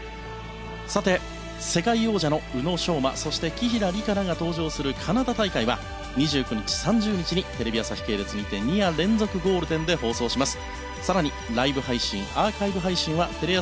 さて、世界王者の宇野昌磨そして紀平梨花らが登場するカナダ大会は２９日、３０日にテレビ朝日系列にて２夜連続ゴールデンで放送します。